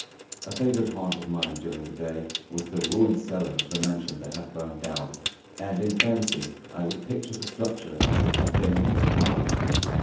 A favourite haunt of mine during the day was the ruined cellar of the mansion that had burned down, and in fancy I would picture the structure as it had been in its prime.